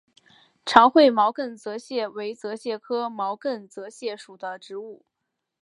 长喙毛茛泽泻为泽泻科毛茛泽泻属的植物。